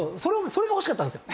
それが欲しかったんですよ。